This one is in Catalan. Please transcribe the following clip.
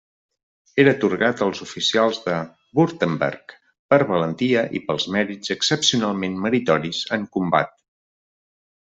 Era atorgat als oficials de Württemberg per valentia i pels mèrits excepcionalment meritoris en combat.